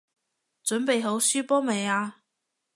準備好輸波未啊？